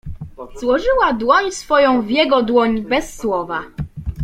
"Złożyła dłoń swoją w jego dłoń bez słowa."